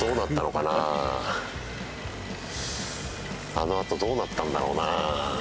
あの後どうなったんだろうな？